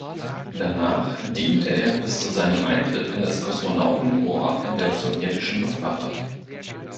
Danach diente er bis zu seinem Eintritt in das Kosmonautenkorps in der sowjetischen Luftwaffe.